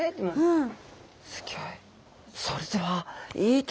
うん。